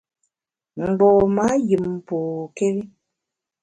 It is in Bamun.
Mgbom-a yùm pôkéri.